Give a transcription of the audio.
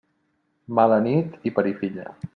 Mala nit i parir filla.